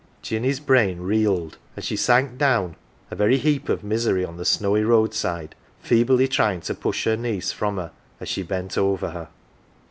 " Jinny's brain reeled, and she sank down, a very heap of misery, on the snowy roadside, feebly trying to push her niece from her, as she bent over her.